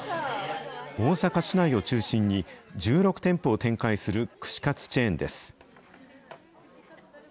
大阪市内を中心に、１６店舗を展開する串かつチェーンです。